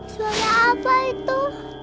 suara apa itu